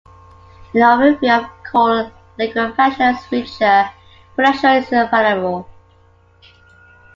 An overview of coal liquefaction and its future potential is available.